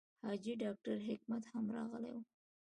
حاجي ډاکټر حکمت هم راغلی و.